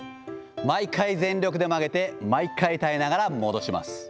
毎回全力で曲げて、毎回耐えながら戻します。